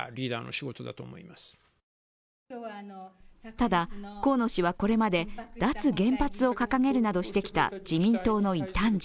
ただ河野氏は、これまで脱原発を掲げるなどしてきた自民党の異端児。